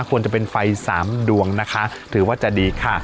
ควรจะเป็นไฟ๓ดวงนะคะถือว่าจะดีค่ะ